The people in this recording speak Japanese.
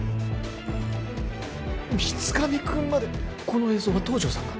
水上君までこの映像は東条さんが？